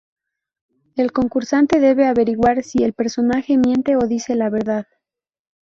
El concursante debe averiguar si el personaje miente o dice la verdad.